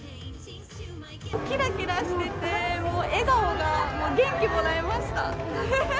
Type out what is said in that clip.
きらきらしてて、もう笑顔が、もう元気もらえました。